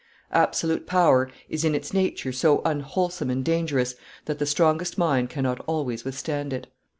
Absolute power is in its nature so unwholesome and dangerous that the strongest mind cannot always withstand it.